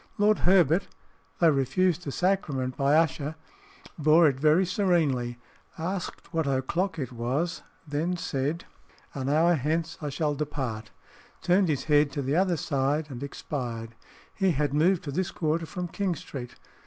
Lord Herbert, though refused the sacrament by Usher, bore it very serenely, asked what o'clock it was, then said, "An hour hence I shall depart," turned his head to the other side, and expired. He had moved to this quarter from King Street.